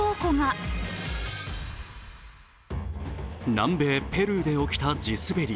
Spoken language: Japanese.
南米ペルーで起きた地滑り。